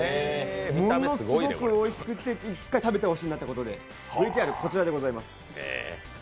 ものすごくおいしくて、１回食べてほしいなということで、こちらでございます。